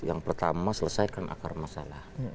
yang pertama selesaikan akar masalah